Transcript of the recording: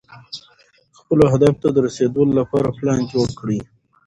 خپلو اهدافو ته د رسېدو لپاره پلان جوړ کړئ.